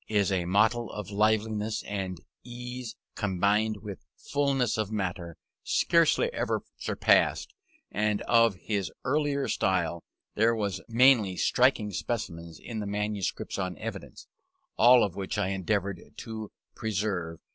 is a model of liveliness and ease combined with fulness of matter, scarcely ever surpassed: and of this earlier style there were many striking specimens in the manuscripts on Evidence, all of which I endeavoured to preserve.